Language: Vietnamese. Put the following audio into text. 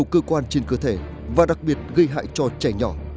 cơ thể và đặc biệt gây hại cho trẻ nhỏ